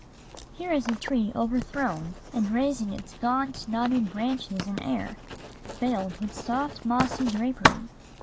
Here is a tree overthrown, and raising its gaunt, knotted branches in air, veiled with soft mossy drapery.